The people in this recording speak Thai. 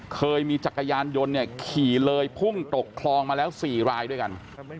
เคยมีจักรยานยนต์เนี่ยขี่เลยพุ่งตกคลองมาแล้ว๔รายด้วยกัน